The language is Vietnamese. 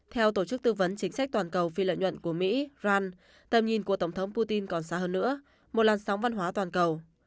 theo tổ chức tư vấn chính sách toàn cầu phi lợi nhuận của mỹ ran tầm nhìn của tổng thống putin còn xa hơn nữa một làn sóng văn hóa toàn cầu